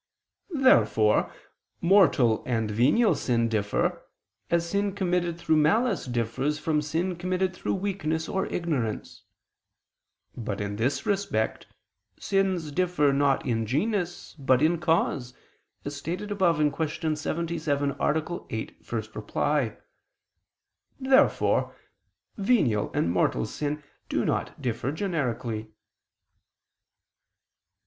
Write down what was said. Therefore mortal and venial sin differ as sin committed through malice differs from sin committed through weakness or ignorance. But, in this respect, sins differ not in genus but in cause, as stated above (Q. 77, A. 8, ad 1). Therefore venial and mortal sin do not differ generically.